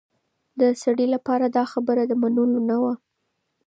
د سړي لپاره دا خبره د منلو نه وه.